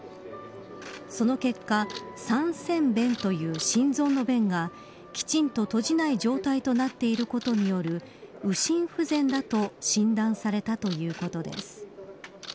その結果、三尖弁という心臓の弁がきちんと閉じない状態になっていることによる右心不全だと診断されたということです。